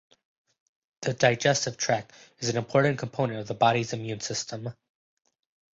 The digestive tract is an important component of the body's immune system.